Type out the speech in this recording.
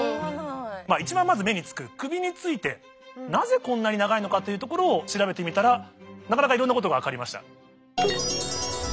一番まず目につく首についてなぜこんなに長いのかというところを調べてみたらなかなかいろんなことが分かりました。